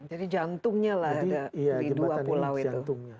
jadi jantungnya ada di dua pulau itu